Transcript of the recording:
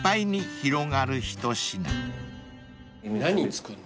何作んの？